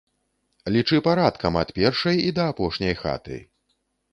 Лічы парадкам, ад першай і да апошняй хаты.